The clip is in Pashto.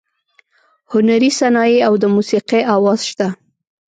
هنري صنایع او د موسیقۍ اواز شته.